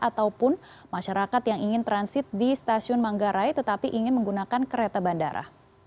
ataupun masyarakat yang ingin transit di stasiun manggarai tetapi ingin menggunakan kereta bandara